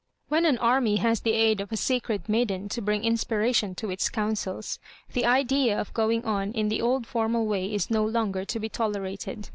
When an army has the aid of a sacred maiden to brmg inspiration to its counsels, the idea of going on in the old formal way is no longer to be tolerated.